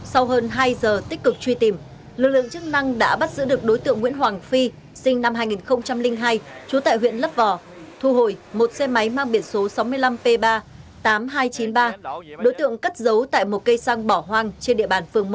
sau hơn hai giờ tích cực truy tìm lực lượng chức năng đã bắt giữ được đối tượng nguyễn hoàng phi sinh năm hai nghìn hai trú tại huyện lấp vò thu hồi một xe máy mang biển số sáu mươi năm p ba tám nghìn hai trăm chín mươi ba đối tượng cất giấu tại một cây xăng bỏ hoang trên địa bàn phường một